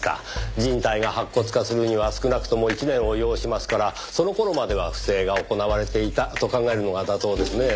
人体が白骨化するには少なくとも１年を要しますからその頃までは不正が行われていたと考えるのが妥当ですねぇ。